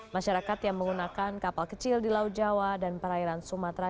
masyarakat yang menggunakan kapal kecil di laut jawa dan perairan sumatera